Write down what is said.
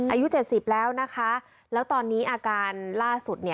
อายุ๗๐แล้วนะคะแล้วตอนนี้อาการล่าสุด